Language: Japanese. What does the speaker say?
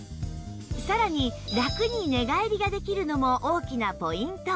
さらにラクに寝返りができるのも大きなポイント